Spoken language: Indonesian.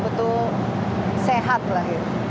betul betul sehat lah ya